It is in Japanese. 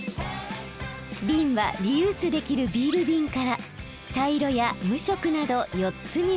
ビンはリユースできるビールビンから茶色や無色など４つに分別。